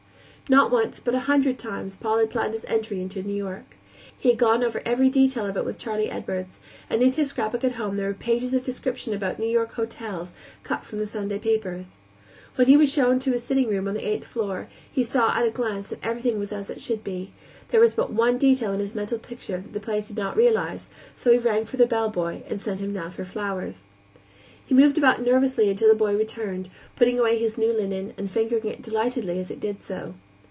Not once, but a hundred times, Paul had planned this entry into New York. He had gone over every detail of it with Charley Edwards, and in his scrapbook at home there were pages of description about New York hotels, cut from the Sunday papers. When he was shown to his sitting room on the eighth floor he saw at a glance that everything was as it should be; there was but one detail in his mental picture that the place did not realize, so he rang for the bellboy and sent him down for flowers. He moved about nervously until the boy returned, putting away his new linen and fingering it delightedly as he did so.